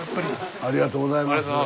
ありがとうございます。